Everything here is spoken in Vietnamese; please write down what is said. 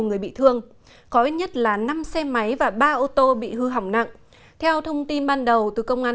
người bị thương có ít nhất là năm xe máy và ba ô tô bị hư hỏng nặng theo thông tin ban đầu từ công an